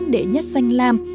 đệ nhất danh làm